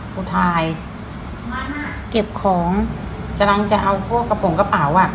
ผู้ชายมาเก็บของกำลังจะเอาพวกกระโปรงกระเป๋าอ่ะ